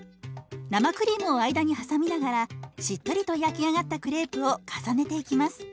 生クリームを間に挟みながらしっとりと焼き上がったクレープを重ねていきます。